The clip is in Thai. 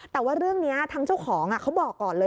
แต่ว่าเรื่องนี้ทางเจ้าของเขาบอกก่อนเลย